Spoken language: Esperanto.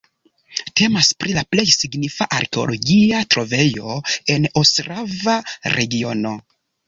Temas pri la plej signifa arkeologia trovejo en Ostrava-regiono.